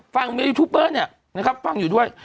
ฟังเมียยูทูปเบอร์ฟังอยู่ด้วย